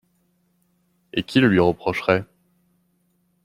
Et qui le lui reprocherait?